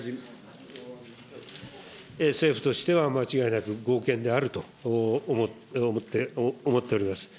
政府としては間違いなく、合憲であると思っております。